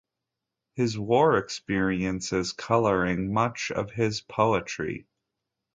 His war experiences colouring much of his poetry.